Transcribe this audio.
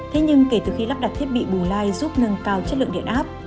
thế nhưng kể từ khi lắp đặt thiết bị bù like giúp nâng cao chất lượng điện áp